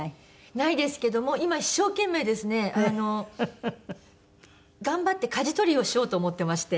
ないですけども今一生懸命ですね頑張ってかじ取りをしようと思ってまして。